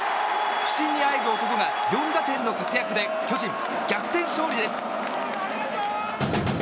不振にあえぐ男が４打点の活躍で巨人、逆転勝利です！